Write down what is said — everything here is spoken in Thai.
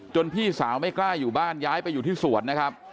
พี่สาวไม่กล้าอยู่บ้านย้ายไปอยู่ที่สวนนะครับ